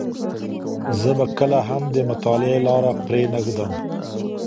زه به کله هم د مطالعې لاره پرې نه ږدم.